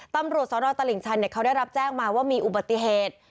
ตำรวจสนตลิ่งชันเขาได้รับแจ้งมาว่ามีอุบัติเหตุ